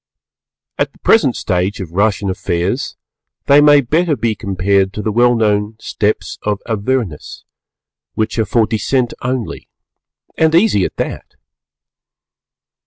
At the present stage of Russian Affairs they may better be compared to the well known Steps to Avernus, which are for descent only and easy at that!